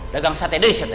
dagang sate deh sate